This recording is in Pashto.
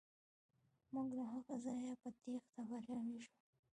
موږ له هغه ځایه په تیښته بریالي شو.